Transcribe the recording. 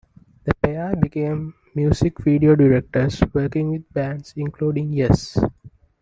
The pair became music video directors, working with bands including Yes.